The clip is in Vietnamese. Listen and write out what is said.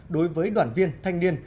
đối với đoàn viên thanh niên